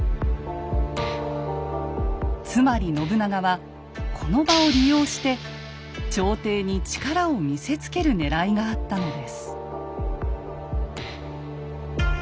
つまり信長はこの場を利用して朝廷に力を見せつけるねらいがあったのです。